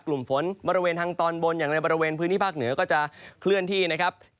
กลุ่มฝนบริเวณทางตอนบนอย่างในบริเวณพื้นที่ภาคเหนือก็จะเคลื่อนที่นะครับ